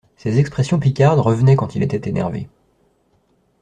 Ses expressions picardes revenaient quand il était énervé.